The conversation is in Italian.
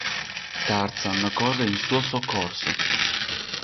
Tarzan corre in suo soccorso.